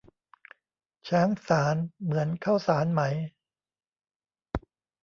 ช้างสาร เหมือนข้าวสารไหม